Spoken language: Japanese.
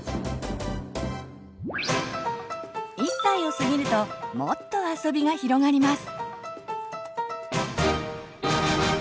１歳を過ぎるともっとあそびが広がります！